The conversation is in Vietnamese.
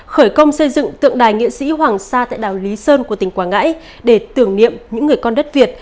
khởi công xây dựng tượng đài nghệ sĩ hoàng sa tại đảo lý sơn của tỉnh quảng ngãi để tưởng niệm những người con đất việt